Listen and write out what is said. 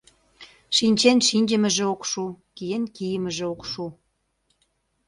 Шинчен шинчымыже ок шу, киен кийымыже ок шу.